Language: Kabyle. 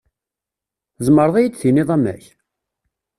Tzemreḍ ad yi-d-tiniḍ amek?